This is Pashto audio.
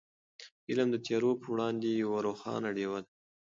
علم د تیارو په وړاندې یوه روښانه ډېوه ده.